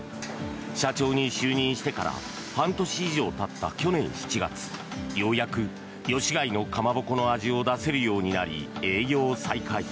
社長に就任してから半年以上たった去年７月ようやく吉開のかまぼこの味を出せるようになり、営業再開。